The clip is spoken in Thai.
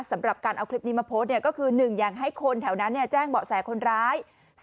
สำหรับการเอาคลิปนี้มาโพสต์ก็คือ๑อย่างให้คนแถวนั้นแจ้งเบาะแสคนร้าย